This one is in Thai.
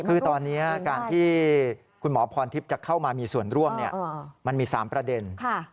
คือตอนนี้การที่คุณหมอพรทิพย์จะเข้ามามีส่วนร่วมมันมี๓ประเด็น